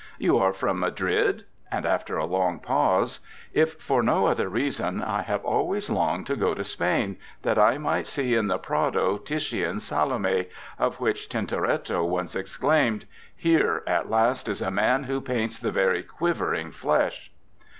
"You are from Madrid?" And, after a long pause, "If for no other reason, I have always longed to go to Spain that I might see in the Prado Titian's Salome, of which Tintoretto once exclaimed: 'Here at last is a man who paints the very quivering flesh!'